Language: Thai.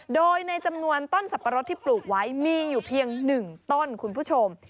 โดยในจำนวนต้นสับปะรดที่ปลูกไว้มีอยู่เพียง๑ต้นคุณผู้ชม